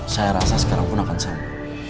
saya rasa sekarang pun akan sama